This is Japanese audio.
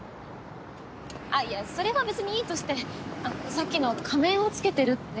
あっいやそれはべつにいいとしてあのさっきの仮面をつけてるって。